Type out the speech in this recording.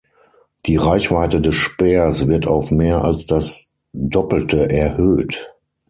Die Reichweite des Speers wird auf mehr als das Doppelte erhöht.